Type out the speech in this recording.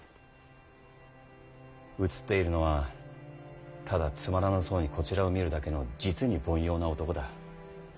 映っているのはただつまらなそうにこちらを見るだけの実に凡庸な男だ。